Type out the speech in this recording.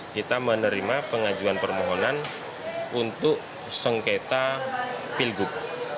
kita menerima pengajuan permohonan untuk sengketa pilgub